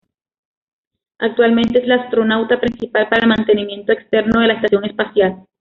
Actualmente es la astronauta principal para el mantenimiento externo de la Estación Espacial.